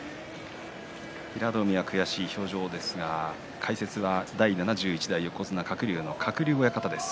平戸海は悔しい表情ですが解説は第７１代横綱鶴竜の鶴竜親方です。